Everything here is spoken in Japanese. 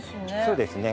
そうですね。